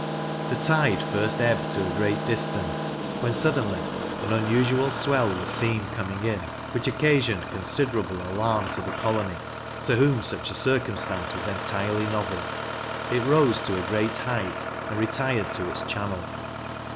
The tide first ebbed to a great distance; when, suddenly, an unusual swell was seen coming in, which occasioned considerable alarm to the colony, to whom such a circumstance was entirely novel: it rose to a great height, and retired to its channel.